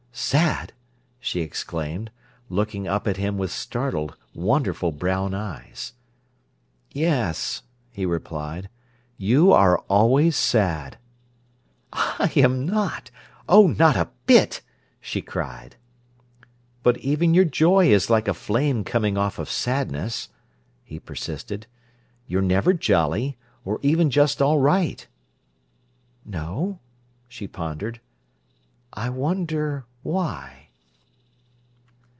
"Sad!" she exclaimed, looking up at him with startled, wonderful brown eyes. "Yes," he replied. "You are always sad." "I am not—oh, not a bit!" she cried. "But even your joy is like a flame coming off of sadness," he persisted. "You're never jolly, or even just all right." "No," she pondered. "I wonder—why?"